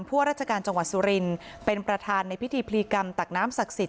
ว่าราชการจังหวัดสุรินเป็นประธานในพิธีพลีกรรมตักน้ำศักดิ์สิทธ